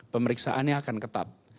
pemeriksaannya akan ketat